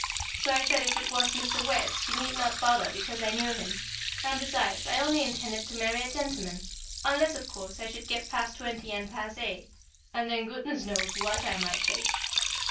So I said if it was Mr. Wertz she need not bother because I knew him; and, besides, I only intended to marry a gentleman, unless, of course, I should get past twenty and passé, and then, goodness knows what I might take.